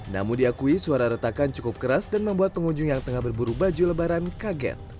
namun diakui suara retakan cukup keras dan membuat pengunjung yang tengah berburu baju lebaran kaget